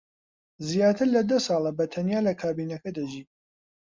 زیاتر لە دە ساڵە بەتەنیا لە کابینەکە دەژی.